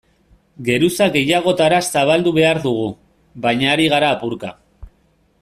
Geruza gehiagotara zabaldu behar dugu, baina ari gara apurka.